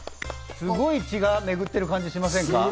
すごい血がめぐってる感じしませんか？